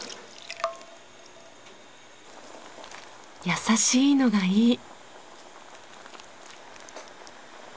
やさしいのがいい。